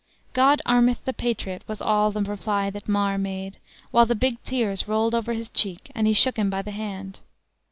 "God armeth the patriot," was all the reply that Mar made, while the big tears rolled over his cheek, and he shook him by the hand.